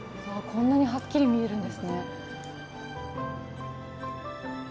こんなにはっきり見えるんですね。